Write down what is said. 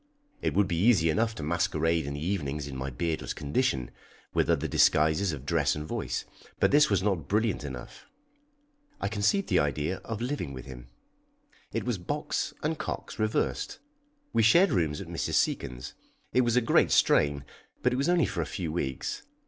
It would be easy enough to masquerade in the evenings in my beardless condition, with other disguises of dress and voice. But this was not brilliant enough. I conceived the idea of living with him. It was Box and Cox reversed. We shared rooms at Mrs. Seacon's. It was a great strain, but it was only for a few weeks.